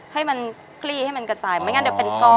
ให้มันคลี่ให้มันกระจายไม่งั้นเดี๋ยวเป็นก้อ